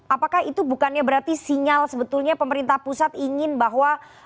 apakah itu bukannya berarti sinyal sebetulnya pemerintah pusat ingin bahwa